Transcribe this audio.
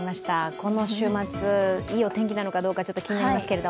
この週末、いいお天気なのかどうか気になりますけど。